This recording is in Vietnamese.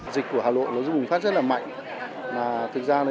dịch của hà nội nó giúp bùng phát rất là mạnh